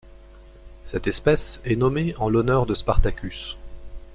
Cette espèce est nommée en l'honneur de Spartacus.